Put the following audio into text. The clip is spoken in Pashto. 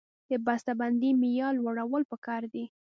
د بسته بندۍ معیار لوړول پکار دي